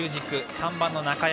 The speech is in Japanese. ３番の中山